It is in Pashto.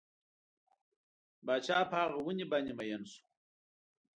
پاچا په هغه ونې باندې مین شو.